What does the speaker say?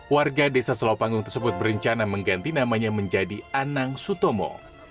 warga desa selopanggung tersebut berencana mengganti namanya menjadi anang sutomo